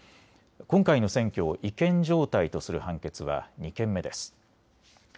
今回の選挙を違憲状態とする判決は２件目です。